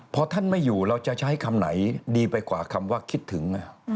พอท่านไม่อยู่เราจะใช้คำไหนดีไปกว่าคำว่าคิดถึง